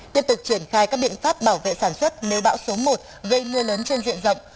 tiếp tục triển khai các biện pháp bảo vệ sản xuất nếu bão số một gây mưa lớn trên diện rộng